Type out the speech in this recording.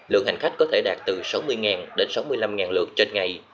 lượng hành khách có thể đạt từ sáu mươi đến sáu mươi năm lượt trên ngày